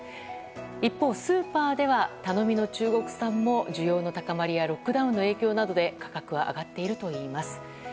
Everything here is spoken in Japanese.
一方、スーパーでは頼みの中国産も、需要の高まりやロックダウンの影響などで価格は上がっているといいます。